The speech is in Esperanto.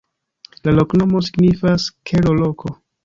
La loknomo signifas: kelo-loko.